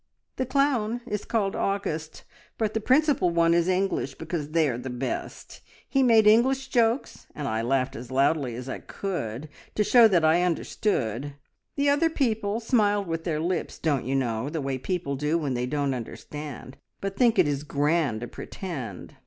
The clown is called August, but the principal one is English, because they are the best. He made English jokes, and I laughed as loudly as I could, to show that I understood. The other people smiled with their lips, don't you know the way people do when they don't understand, but think it is grand to pretend.